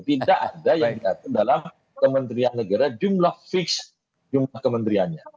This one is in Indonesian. tidak ada yang diatur dalam kementerian negara jumlah fix jumlah kementeriannya